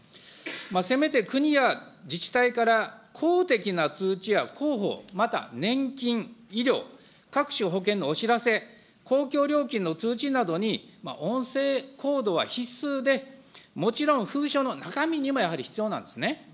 せめて国や自治体から公的な通知や広報、また年金、医療、各種保険のお知らせ、公共料金の通知などに、音声コードは必須で、もちろん封書の中身にもやはり必要なんですね。